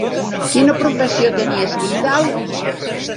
Quina professió tenia Stendhal?